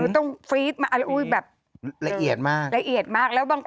ต้องฟรีดมาเอาอุ้ยแบบ